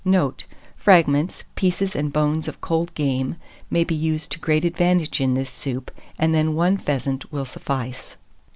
Note. Fragments, pieces and bones of cold game, may be used to great advantage in this soup, and then 1 pheasant will suffice.